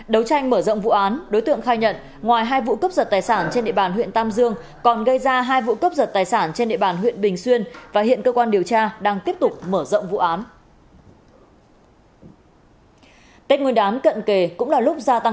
đấu tranh mở rộng vụ án đối tượng khai nhận ngoài hai vụ cấp giật tài sản trên địa bàn huyện tam dương còn gây ra hai vụ cướp giật tài sản trên địa bàn huyện bình xuyên và hiện cơ quan điều tra đang tiếp tục mở rộng vụ án